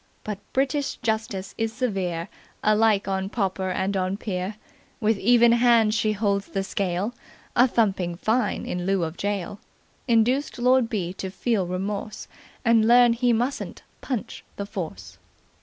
But British Justice is severe alike on pauper and on peer; with even hand she holds the scale; a thumping fine, in lieu of gaol, induced Lord B. to feel remorse and learn he mustn't punch the Force."